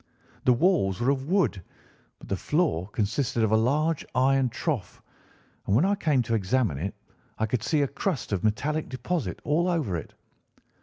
The walls were of wood, but the floor consisted of a large iron trough, and when I came to examine it I could see a crust of metallic deposit all over it.